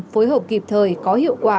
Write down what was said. phối hợp kịp thời có hiệu quả